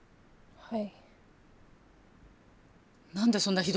はい。